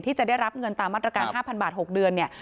ที่จะได้รับเงินตามมาตรการ๕๐๐บาท๖เดือนเนี่ย